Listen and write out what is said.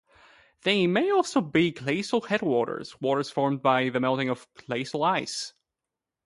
They may also be glacial headwaters, waters formed by the melting of glacial ice.